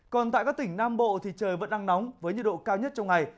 còn tại các tỉnh nam bộ thì trời vẫn đang nóng với nhiệt độ cao nhất trong ngày